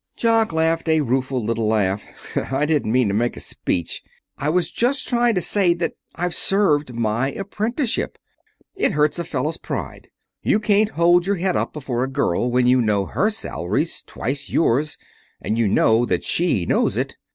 Jock laughed a rueful little laugh. "I didn't mean to make a speech. I was just trying to say that I've served my apprenticeship. It hurts a fellow's pride. You can't hold your head up before a girl when you know her salary's twice yours, and you know that she knows it.